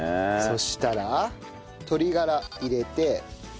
そしたら鶏がら入れて。